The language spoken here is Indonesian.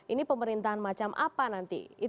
ini pemerintahan macam apa nanti